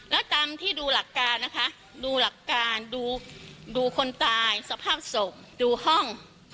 แล้วตามที่ดูหลักการดูคนตายสภาพศพดูห้อง